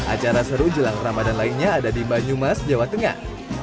acara seru jelang ramadan lainnya ada di banyumas jawa tengah